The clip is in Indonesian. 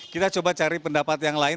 kita coba cari pendapat yang lain